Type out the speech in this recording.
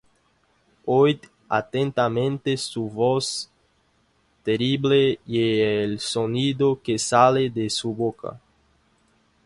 Oid atentamente su voz terrible, y el sonido que sale de su boca.